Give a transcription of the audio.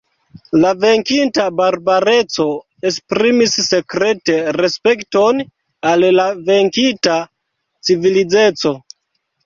La venkinta barbareco esprimis sekrete respekton al la venkita civilizeco.